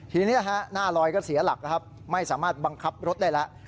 ทีนี้หน้าลอยก็เสียหลักนะครับไม่สามารถบังคับรถได้แล้ว